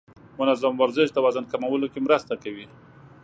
منظم ورزش د وزن کمولو کې مرسته کوي.